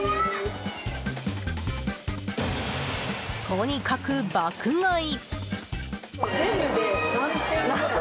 とにかく爆買い。